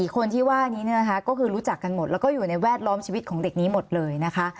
คนที่ว่านี้เนี่ยนะคะก็คือรู้จักกันหมดแล้วก็อยู่ในแวดล้อมชีวิตของเด็กนี้หมดเลยนะคะ